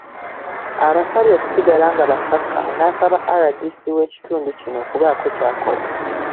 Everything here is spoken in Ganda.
Abasabye okusigala nga bakkakkamu n'asaba RDC w'ekitundu kino okubaako ky'akola.